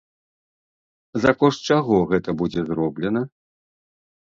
За кошт чаго гэта будзе зроблена?